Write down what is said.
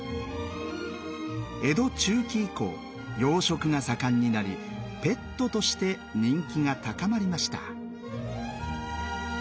江戸中期以降養殖が盛んになりペットとして人気が高まりました。